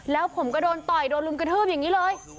แล้วผมก็โดนต่อยโดนรุมกระทืบอย่างนี้เลย